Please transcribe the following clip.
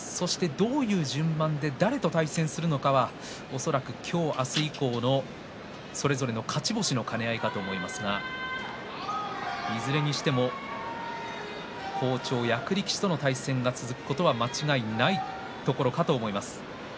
どういう順番で誰と対戦するのかは恐らく今日、明日以降のそれぞれの勝ち星の兼ね合いかと思いますがいずれも好調、役力士との対戦が続くことは間違いないところだと思います。